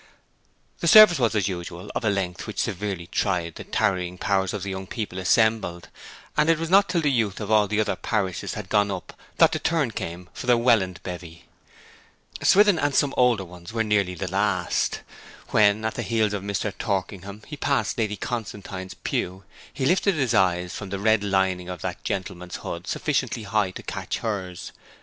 The service was, as usual, of a length which severely tried the tarrying powers of the young people assembled; and it was not till the youth of all the other parishes had gone up that the turn came for the Welland bevy. Swithin and some older ones were nearly the last. When, at the heels of Mr. Torkingham, he passed Lady Constantine's pew, he lifted his eyes from the red lining of that gentleman's hood sufficiently high to catch hers.